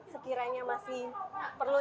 sekiranya masih perlu